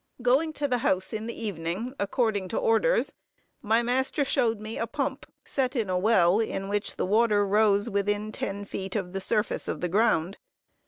Going to the house in the evening, according to orders, my master showed me a pump, set in a well in which the water rose within ten feet of the surface of the ground.